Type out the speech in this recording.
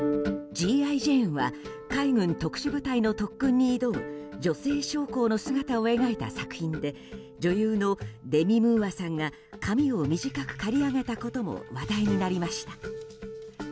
「Ｇ．Ｉ．ジェーン」は海軍特殊部隊の特訓に挑む女性将校の姿を描いた作品で女優のデミ・ムーアさんが髪を短く刈り上げたことも話題になりました。